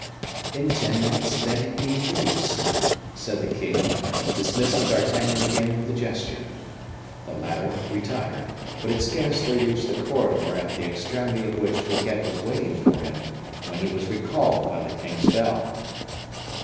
"In ten minutes let him be introduced," said the king, dismissing D'Artagnan again with a gesture. The latter retired; but had scarcely reached the corridor at the extremity of which Fouquet was waiting for him, when he was recalled by the king's bell.